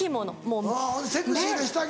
もう。